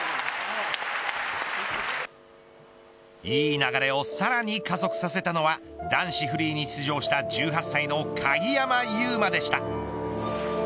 いい流れをさらに加速させたのは男子フリーに出場した１８歳の鍵山優真でした。